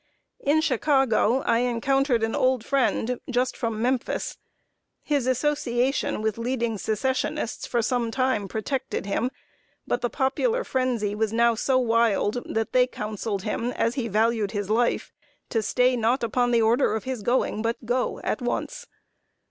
In Chicago I encountered an old friend just from Memphis. His association with leading Secessionists for some time protected him; but the popular frenzy was now so wild that they counselled him, as he valued his life, to stay not upon the order of his going, but go at once.